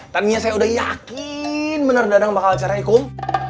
tadinya saya sudah yakin benar dadang bakal cerai kom